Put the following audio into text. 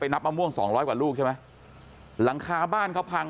ไปนับมะม่วง๒๐๐กว่าลูกใช่ไหมหลังคาบ้านเขาพัง